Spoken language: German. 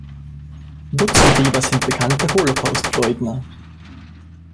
Butz und Weber sind bekannte Holocaustleugner.